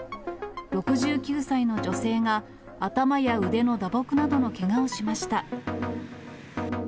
６９歳の女性が、頭や腕の打撲などのけがをしました。